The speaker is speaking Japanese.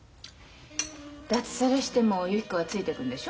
脱サラしてもゆき子はついてくんでしょ？